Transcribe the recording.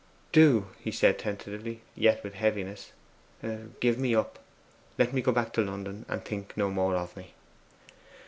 'Do?' he said tentatively, yet with heaviness. 'Give me up; let me go back to London, and think no more of me.